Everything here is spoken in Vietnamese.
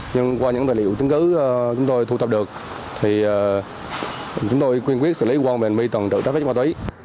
nhưng qua những tài liệu chứng cứ chúng tôi thu thập được thì chúng tôi quyên quyết xử lý quang bệnh vi tầng trực trái phép ma túy